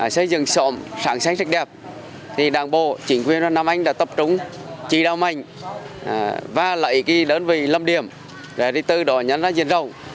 xây dựng xóm sáng sáng rất đẹp đảng bộ chính quyền nam anh đã tập trung chỉ đạo mạnh và lợi ý đơn vị lâm điểm để tự đổi nhân dân dân rồng